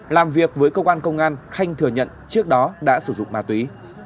làm việc với công an công an khanh thừa nhận trước đó đã sử dụng ma túy